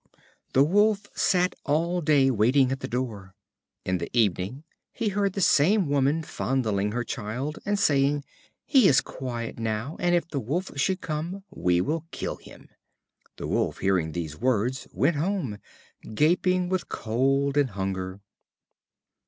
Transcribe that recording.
The Wolf sat all day waiting at the door. In the evening he heard the same woman fondling her child, and saying: "He is quiet now, and if the Wolf should come, we will kill him." The Wolf, hearing these words, went home, gaping with cold and hunger.